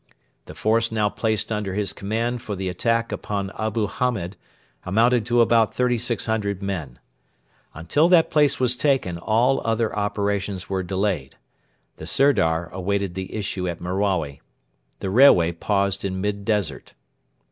The force now placed under his command for the attack upon Abu Hamed amounted to about 3,600 men. Until that place was taken all other operations were delayed. The Sirdar awaited the issue at Merawi. The railway paused in mid desert.